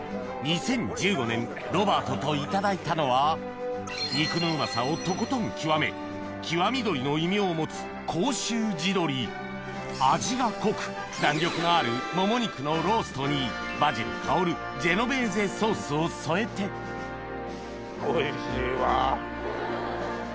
２０１５年ロバートといただいたのは肉のうまさをとことん極め極み鶏の異名を持つ甲州地どり味が濃く弾力のあるモモ肉のローストにバジル香るジェノベーゼソースを添えておいしいわ！